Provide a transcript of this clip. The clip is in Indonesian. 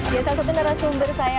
biasa satu narasumber saya